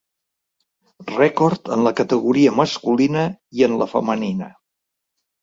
Rècord en la categoria masculina i en la femenina.